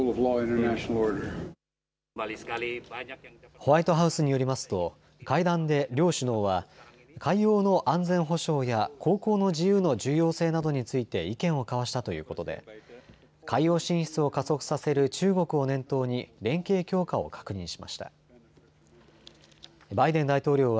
ホワイトハウスによりますと会談で両首脳は海洋の安全保障や航行の自由の重要性などについて意見を交わしたということで海洋進出を加速させる中国を念頭に連携強化を確認しました。